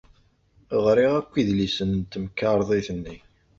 Ɣriɣ akk idlisen n temkarḍit-nni.